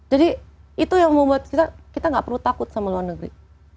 jadi itu yang membuat kita gak perlu takut sama luar negeri